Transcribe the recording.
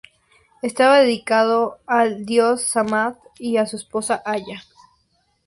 Estaba dedicado al dios Shamash y a su esposa Aya.